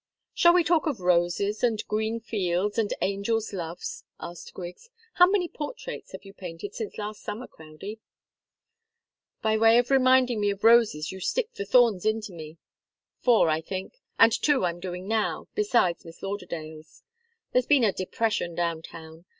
"Shall we talk of roses and green fields and angels' loves?" asked Griggs. "How many portraits have you painted since last summer, Crowdie?" "By way of reminding me of roses you stick the thorns into me four, I think and two I'm doing now, besides Miss Lauderdale's. There's been a depression down town.